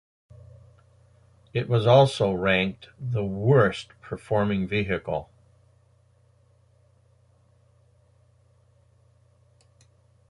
It was also ranked the "Worst Performing Vehicle".